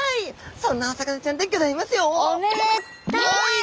そんなお魚ちゃんでギョざいますよ！